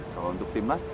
kalau untuk timnas